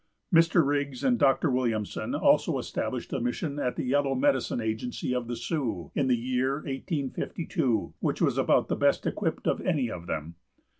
Mr. Riggs and Dr. Williamson also established a Mission at the Yellow Medicine Agency of the Sioux, in the year 1852, which was about the best equipped of any of them.